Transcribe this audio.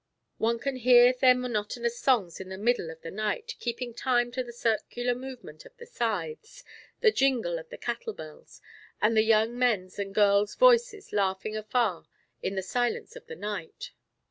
One can hear their monotonous songs in the middle of the night keeping time to the circular movement of the scythes, the jingle of the cattle bells, and the young men's and girls' voices laughing afar in the silence of the night.